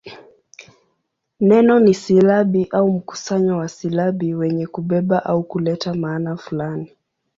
Neno ni silabi au mkusanyo wa silabi wenye kubeba au kuleta maana fulani.